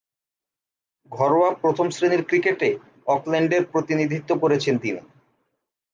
ঘরোয়া প্রথম-শ্রেণীর ক্রিকেটে অকল্যান্ডের প্রতিনিধিত্ব করছেন তিনি।